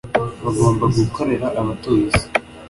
bagomba gukorera abatuye isi,